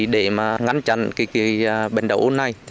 để ngăn chặn bệnh đậu ôn này